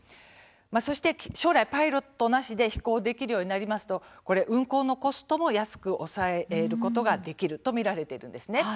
そして将来パイロットなしで飛行できるようになりますと運航のコストも安く抑えることができるとみられているんです。